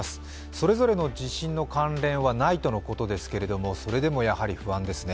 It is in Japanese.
それぞれの地震の関連はないとのことですけれどもそれでもやはり不安ですね。